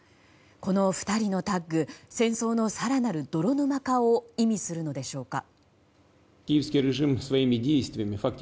この２人のタッグ戦争の更なる泥沼化を意味するのでしょうか。